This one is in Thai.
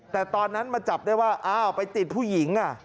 แต่ตอนนั้นมาจับได้ว่าอ้าวไปติดผู้หญิง